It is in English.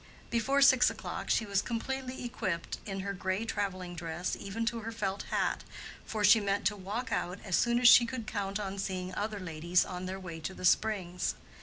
Before six o'clock she was completely equipped in her gray traveling dress even to her felt hat, for she meant to walk out as soon as she could count on seeing other ladies on their way to the springs.